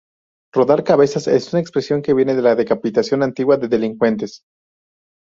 Rodar cabezas es una expresión que viene de la decapitación antigua de delincuentes.